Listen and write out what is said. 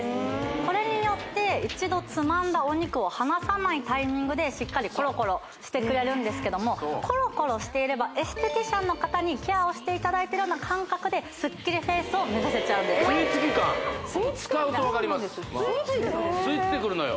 これによって一度つまんだお肉を離さないタイミングでしっかりコロコロしてくれるんですけどもコロコロしていればエステティシャンの方にケアをしていただいてるような感覚ですっきりフェイスを目指せちゃうんです使うと分かる吸い付いてくるのよ